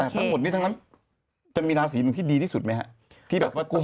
แต่ทั้งหมดนี้ทั้งนั้นจะมีราศีที่ดีที่สุดไหมครับที่แบบว่า